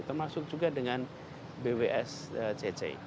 termasuk juga dengan bws cc